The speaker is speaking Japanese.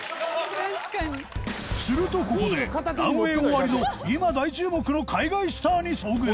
するとここでランウェイ終わりの今大注目の海外スターに遭遇